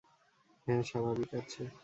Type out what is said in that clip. হ্যাঁ, স্বাভাবিক আছে।